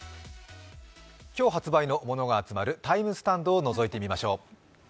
今日発売のものが集まるＴＩＭＥスタンドをのぞいてみましょう。